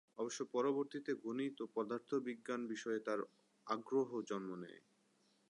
অবশ্য পরবর্তীতে গণিত ও পদার্থবিজ্ঞান বিষয়ে তার আগ্রহ জন্ম নেয়।